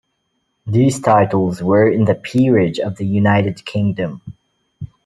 These titles were in the Peerage of the United Kingdom.